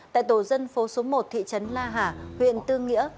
tại tổ dân phố số một thị trấn la hà huyện tư nghĩa